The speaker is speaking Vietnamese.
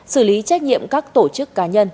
xử lý trách nhiệm các tổ chức cá nhân